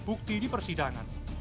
bukti di persidangan